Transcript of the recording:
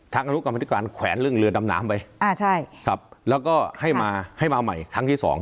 ทางอนุกรรมธิการแขวนเรือดำน้ำไปครับแล้วก็ให้มาใหม่ครั้งที่สอง